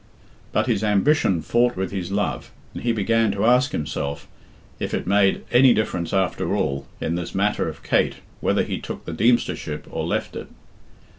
But his ambition fought with his love, and he began to ask himself if it made, any difference after all in this matter of Kate whether he took the Deemstership or left it.